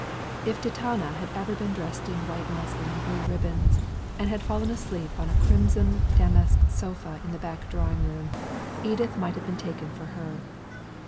If Titania had ever been dressed in white muslin and blue ribbons, and had fallen asleep on a crimson damask sofa in a back drawing room, Edith might have been taken for her.